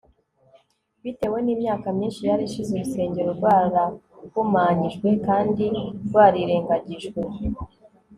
bitewe n'imyaka myinshi yari ishize urusengero rwarahumanyijwe kandi rwarirengagijwe